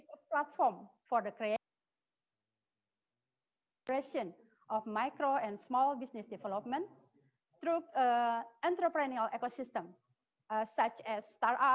sebuah grup orang yang datang di dalam kondisi pekerja atau mereka mendapatkan salari yang berharga